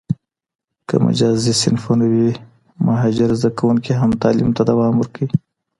که مجازي صنفونه وي، مهاجر زده کوونکي هم تعلیم ته دوام ورکوي.